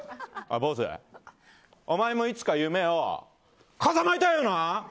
お前もいつか夢をかざまえたいよな？